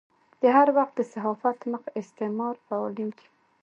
د هر وخت د صحافت مخ استعمار فعالېږي.